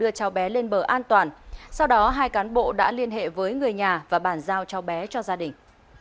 đưa cháu bé lên bờ an toàn sau đó hai cán bộ đã liên hệ với người nhà và bàn giao cho bé cho gia đình